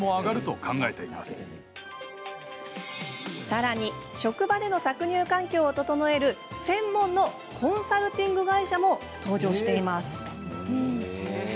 さらに、職場での搾乳環境を整える専門のコンサルティング会社も登場しています。